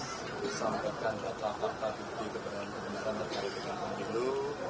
disampaikan kata kata di kebenaran kebenaran dari pertama dulu